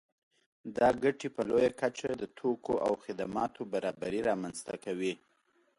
دا ګټې په لویه کچه د توکو او خدماتو برابري رامنځته کوي